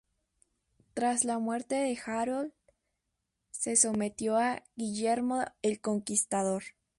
Tras la muerte de Harold, se sometió a Guillermo el Conquistador.